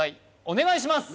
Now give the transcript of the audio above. お願いします